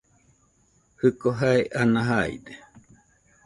Jiko jae ana jaide.